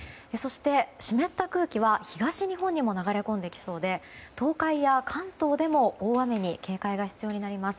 湿った空気は東日本にも流れ込んできそうで東海や関東でも大雨に警戒が必要になります。